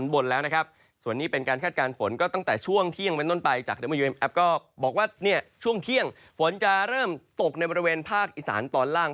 บอกว่าช่วงเที่ยงฝนจะเริ่มตกในบริเวณภาคอิสานตอนล่าง